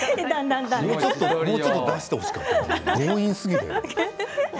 もうちょっと出してほしかった、強引すぎる。